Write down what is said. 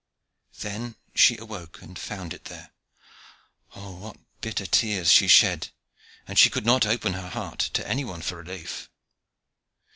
Then she awoke, and found it there. Oh, what bitter tears she shed! and she could not open her heart to any one for relief.